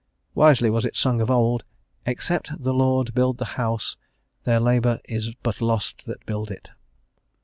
Wisely was it sung of old, "Except the Lord build the house, their labour is but lost that build it."